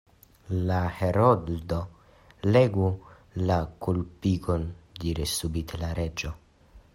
"La Heroldo legu la kulpigon," diris subite la Reĝo.